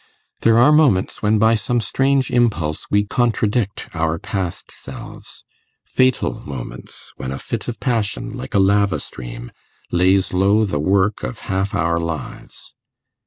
There are moments when by some strange impulse we contradict our past selves fatal moments, when a fit of passion, like a lava stream, lays low the work of half our lives.